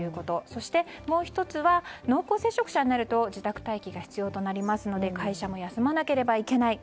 そして、もう１つは濃厚接触者になると自宅待機が必要となりますので会社も休まなければいけない。